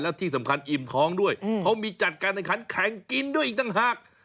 และที่สำคัญอิ่มท้องด้วยเขามีจัดการแข่งขันแข่งกินด้วยอีกต่างหาก